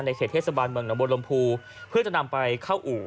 เขตเทศบาลเมืองหนองบนลมภูเพื่อจะนำไปเข้าอู่